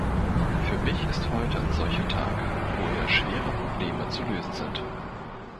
Für mich ist heute ein solcher Tag, wo eher schwere Probleme zu lösen sind.